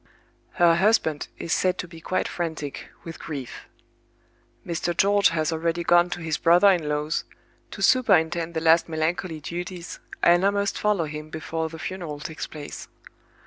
Her husband is said to be quite frantic with grief. Mr. George has already gone to his brother in law's, to superintend the last melancholy duties and I must follow him before the funeral takes place.